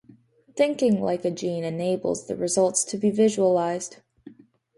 Thinking like a gene enables the results to be visualised.